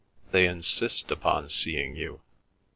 They insist upon seeing you.